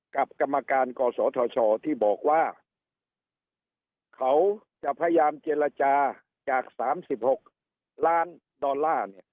กรรมการกศธชที่บอกว่าเขาจะพยายามเจรจาจาก๓๖ล้านดอลลาร์